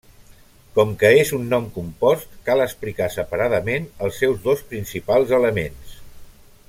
Com que és un nom compost, cal explicar separadament els seus dos principals elements.